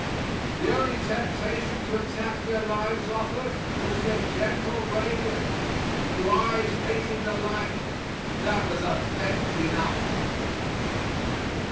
The only temptation to attack their lives offered was their gentle radiance to eyes hating the light, that was offense enough.